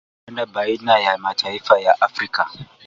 za kandanda baina ya mataifa ya afrika